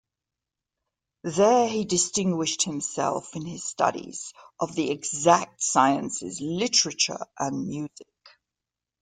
There, he distinguished himself in his studies of the exact sciences, literature and music.